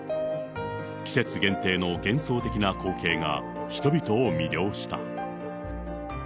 季節限定の幻想的な光景が、人々を魅了した。